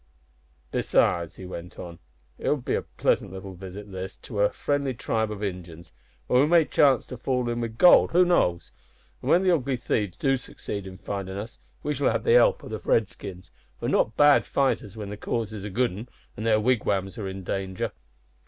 "Besides," he went on, "it will be a pleasant little visit this, to a friendly tribe o' Injins, an' we may chance to fall in wi' gold, who knows? An' when the ugly thieves do succeed in findin' us, we shall have the help o' the Redskins, who are not bad fighters when their cause is a good 'un an' their wigwams are in danger."